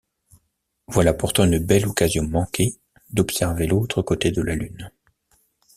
Voilà pourtant une belle occasion manquée d’observer l’autre côté de la Lune!